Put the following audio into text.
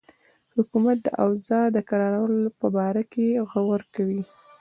حکومت د اوضاع د کرارولو په باره کې غور کوي.